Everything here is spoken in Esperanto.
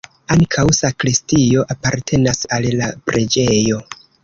Ankaŭ sakristio apartenas al la preĝejo.